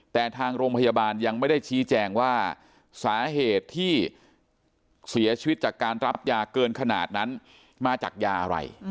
แต่ทางโรงพยาบาลยังไม่ได้ชี้แจงว่าสาเหตุที่เสียชีวิตจากการรับยาเกินขนาดนั้นมาจากยาอะไร